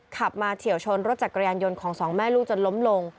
ขับมาเฉียวชนรถจักรยานยนต์ของสองแม่ลูกจนล้มลง